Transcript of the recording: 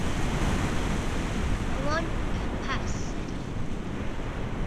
"No one can pass," said he.